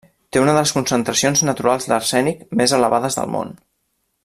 També té una de les concentracions naturals d'arsènic més elevades del món.